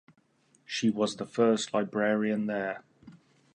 She was the first librarian there.